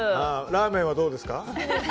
ラーメンはどうですか？